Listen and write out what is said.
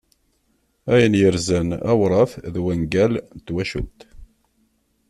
Ayen yerzan awrat d wangal n twacult.